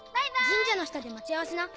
神社の下で待ち合わせな。